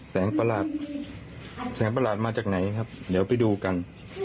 ประหลาดแสงประหลาดมาจากไหนครับเดี๋ยวไปดูกัน